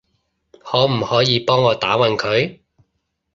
可唔可以幫我打暈佢？